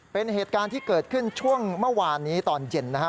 เป็นเหตุการณ์ที่เกิดขึ้นช่วงเมื่อวานนี้ตอนเย็นนะฮะ